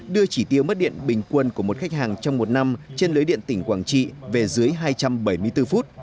đưa chỉ tiêu mất điện bình quân của một khách hàng trong một năm trên lưới điện tỉnh quảng trị về dưới hai trăm bảy mươi bốn phút